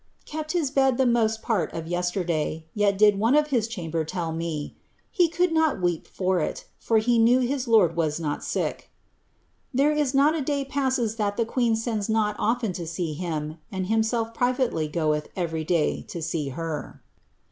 UfJ his bed the most part of yesteniay ; yet did one of his chamber if 11 i:if ' he conld not weep for it, for he knew his lord was not s'ick." TrifP is not a day passes that Ihe queen sends not often to see him. and !uii> self privately goeth every day to see her."